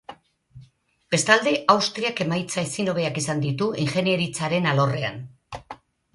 Bestalde, Austriak emaitza ezin hobeak izan ditu ingeniaritzaren alorrean.